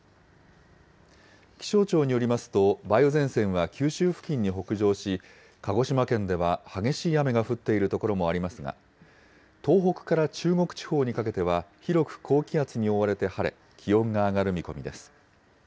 気象庁によりますと、梅雨前線は九州付近に北上し、鹿児島県では激しい雨が降っている所もありますが、東北から中国地方にかけては広く高気圧に覆われて晴れ、気温が上がる見込みです。